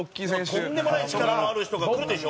山崎：とんでもない力のある人がくるでしょ？